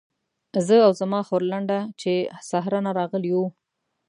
زه او زما خورلنډه چې له صحرا نه راغلې وو.